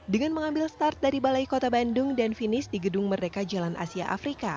dengan mengambil start dari balai kota bandung dan finish di gedung merdeka jalan asia afrika